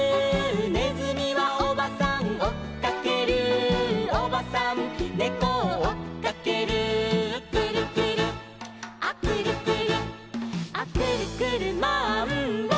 「ねずみはおばさんおっかける」「おばさんねこをおっかける」「くるくるアくるくるア」「くるくるマンボウ！」